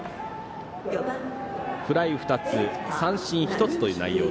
フライ２つ、三振１つという内容。